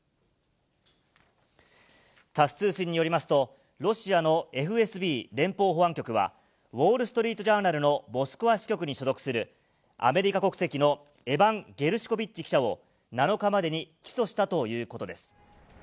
タス通信によりますと、ロシアのＦＳＢ・連邦保安局は、ウォール・ストリート・ジャーナルのモスクワ支局に所属する、アメリカ国籍のエバン・ゲルシコビッチ記者を、７日までに起訴したということです。